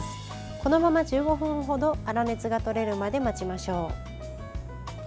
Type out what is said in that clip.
このまま１５分程粗熱がとれるまで待ちましょう。